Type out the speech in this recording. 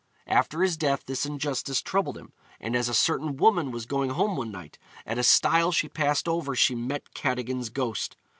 After his death this injustice troubled him, and as a certain woman was going home one night, at a stile she passed over she met Cadogan's ghost.